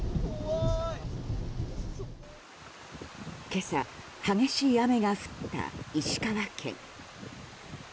今朝、激しい雨が降った石川県。